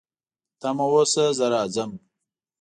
په تمه اوسه، زه راځم